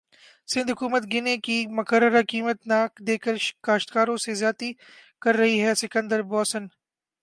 سندھ حکومت گنے کی مقررہ قیمت نہ دیکر کاشتکاروں سے زیادتی کر رہی ہے سکندر بوسن